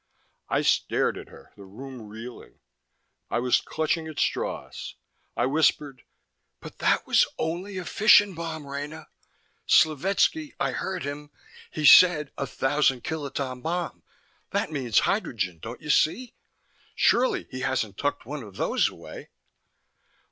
I stared at her, the room reeling. I was clutching at straws. I whispered, "But that was only a fission bomb, Rena. Slovetski I heard him he said a Thousand kiloton bomb. That means hydrogen, don't you see? Surely he hasn't tucked one of those away."